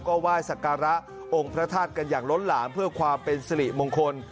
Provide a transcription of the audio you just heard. ก็ไหว้สักการะองค์พระธาตุกันอย่างล้นหลามเพื่อความเป็นสิริมงคล